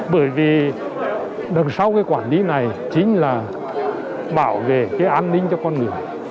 bởi vì đằng sau cái quản lý này chính là bảo vệ cái an ninh cho con người